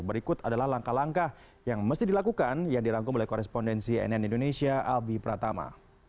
berikut adalah langkah langkah yang mesti dilakukan yang dirangkum oleh korespondensi nn indonesia albi pratama